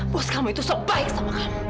bos kamu itu sebaik sama kamu